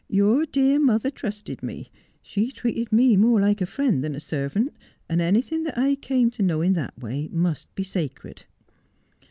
Your dear mother trusted me ; she treated me more like a friend than a servant, and anything that I came to know in that way must be sacred.'